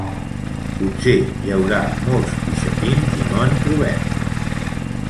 Potser hi haurà molts pixapins i no en trobem